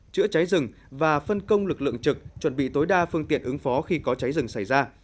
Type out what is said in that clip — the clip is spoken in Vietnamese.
chữa cháy rừng và phân công lực lượng trực chuẩn bị tối đa phương tiện ứng phó khi có cháy rừng xảy ra